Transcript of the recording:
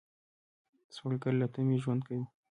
سوالګر له تمې ژوند کوي